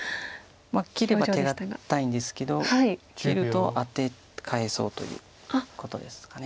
切れば手堅いんですけど切るとアテ返そうということですか。